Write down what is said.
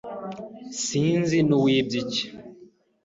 Sinzi n'uwibye iki.